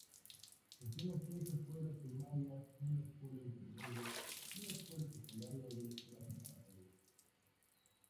Gestiona cinco escuelas primarias, una escuela intermedia, una escuela secundaria, y una escuela preparatoria.